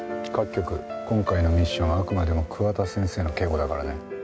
各局今回のミッションはあくまでも桑田先生の警護だからね。